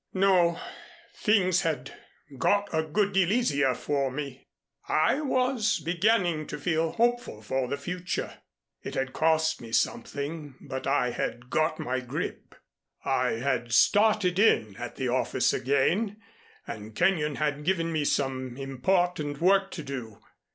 "No. Things had got a good deal easier for me. I was beginning to feel hopeful for the future. It had cost me something, but I had got my grip. I had started in at the office again, and Kenyon had given me some important work to do.